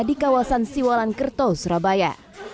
di kawasan siwalan kerto surabaya